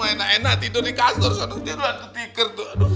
enak enak tidur di kasur